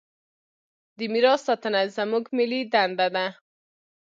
د میراث ساتنه زموږ ملي دنده ده.